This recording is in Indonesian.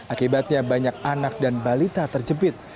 akibatnya banyak anak dan balita terjepit